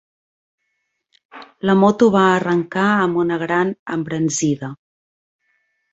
La moto va arrencar amb una gran embranzida.